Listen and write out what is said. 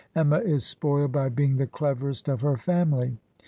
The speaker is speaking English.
... Emma is spoiled by being the cleverest of her family.